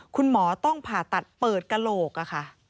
คุณหมอต้องผ่าตัดเปิดกระโหลกค่ะ